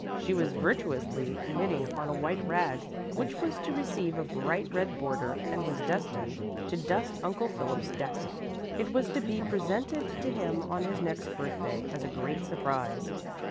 She was virtuously knitting on a white rag, which was to receive a bright red border and was destined to dust Uncle Philip's desk. It was to be presented to him on his next birthday as a great surprise.